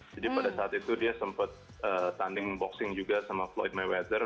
jadi pada saat itu dia sempat tanding boxing juga sama floyd mayweather